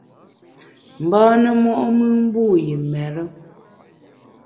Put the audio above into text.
Mbâne mo’mùn mbu yi mêre.